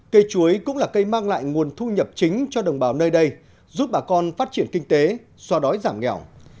cây chuối cũng là cây mang lại nguồn thu nhập chính cho đồng bào nơi đây giúp bà con phát triển kinh tế xoa đói giảm nghèo